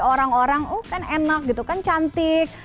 orang orang oh kan enak gitu kan cantik